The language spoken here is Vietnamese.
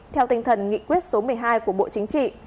theo tinh thần nghị quyết số một mươi hai của bộ chính trị